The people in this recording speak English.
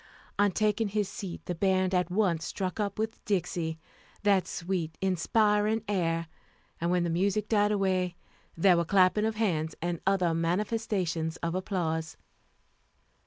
On taking his seat the band at once struck up with Dixie, that sweet, inspiring air; and when the music died away, there were clapping of hands and other manifestations of applause.